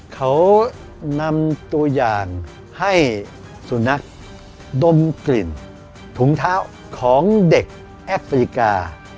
เขานำตัวอย่างให้สุนัขดมกลิ่นถุงเท้าของเด็กแอฟริกา